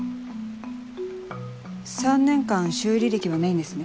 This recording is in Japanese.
３年間修理歴はないんですね？